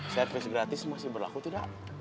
servis gratis masih berlaku tidak